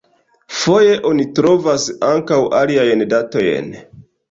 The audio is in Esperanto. Foje oni trovas ankaŭ aliajn datojn.